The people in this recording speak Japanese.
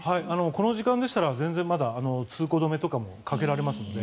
この時間でしたらまだ通行止めとかもかけられますので。